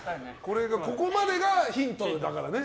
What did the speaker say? ここまでがヒントなんだからね。